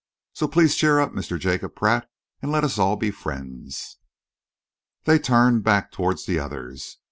So please cheer up, Mr. Jacob Pratt, and let us all be friends." They turned back towards the others.